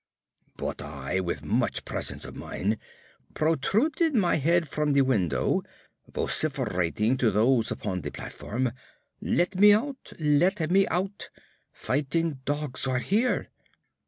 "] But I, with much presence of mind, protruded my head from the window, vociferating to those upon the platform, "Let out! Let out!! Fighting dogs are here!!!"